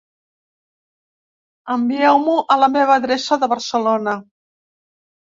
Envieu-m'ho a la meva adreça de Barcelona.